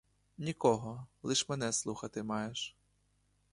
Нікого, лиш мене слухати маєш.